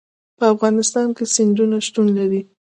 په افغانستان کې سیندونه شتون لري.